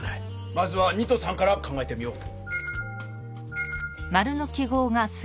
まずは２と３から考えてみよう。